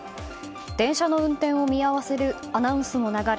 電車の運転を見合わせるアナウンスも流れ